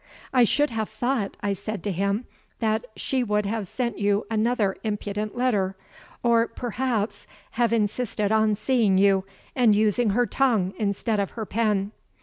"I should have thought," I said to him, "that she would have sent you another impudent letter or perhaps have insisted on seeing you, and using her tongue instead of her pen."